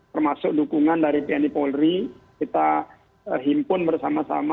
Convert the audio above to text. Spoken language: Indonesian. termasuk dukungan dari tni polri kita himpun bersama sama